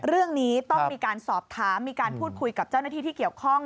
เรื่องนี้ต้องมีการสอบถามมีการพูดคุยกับเจ้าหน้าที่ที่เกี่ยวข้อง